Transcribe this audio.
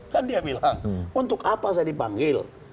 kan dia bilang untuk apa saya dipanggil